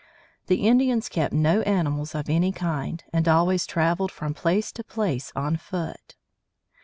The Indians kept no animals of any kind, and always traveled from place to place on foot.